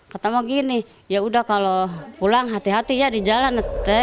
kata mau gini yaudah kalau pulang hati hati ya di jalan